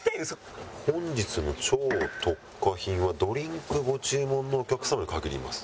「本日の超特価品はドリンク御注文のお客様に限ります」